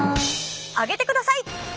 上げてください！